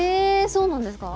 そうなんですか？